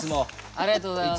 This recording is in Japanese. ありがとうございます。